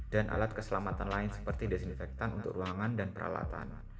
dan alat keselamatan lain seperti desinfektan untuk ruangan dan peralatan